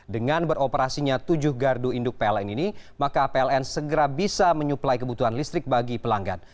dengan beroperasinya tujuh gardu induk pln ini maka pln segera bisa menyuplai kebutuhan listrik bagi pelanggan